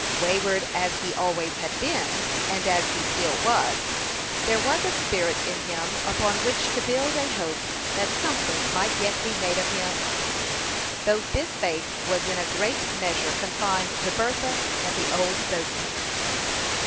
Wayward as he always had been, and as he still was, there was a spirit in him upon which to build a hope that something might yet be made of him, though this faith was in a great measure confined to Bertha and the old boatman.